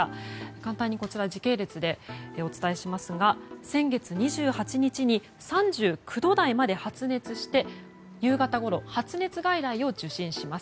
簡単に時系列でお伝えしますが先月２８日に３９度台まで発熱して夕方ごろ発熱外来を受診します。